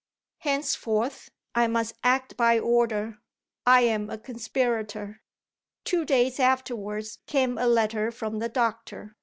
Henceforth, I must act by order. I am a conspirator." Two days afterwards came a letter from the doctor.